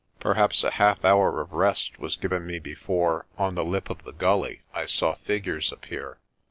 Perhaps a half hour of rest was given me before, on the lip of the gully, I saw figures appear.